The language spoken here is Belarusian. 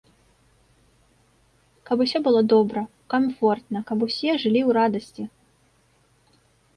Каб усё было добра, камфортна, каб усе жылі ў радасці.